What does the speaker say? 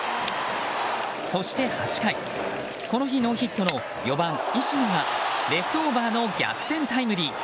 そして８回、この日ノーヒットの４番、石野がレフトオーバーの逆転タイムリー。